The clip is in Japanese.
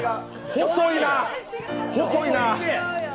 細いな、細いな。